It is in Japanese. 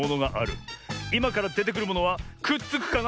いまからでてくるものはくっつくかな？